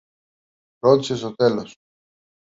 ρώτησε στο τέλος.